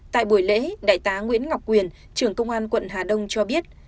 tại buổi lễ đại tá nguyễn ngọc quyền trưởng công an quận hà đông cho biết